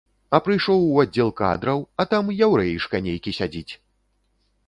А прыйшоў у аддзел кадраў, а там яўрэішка нейкі сядзіць!